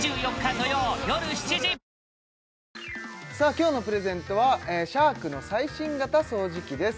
今日のプレゼントはＳｈａｒｋの最新型掃除機です